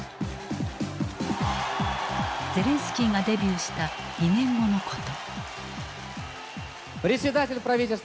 ゼレンスキーがデビューした２年後のこと。